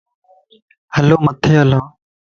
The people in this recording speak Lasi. ھلو مٿي ھلان.